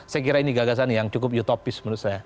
saya kira ini gagasan yang cukup utopis menurut saya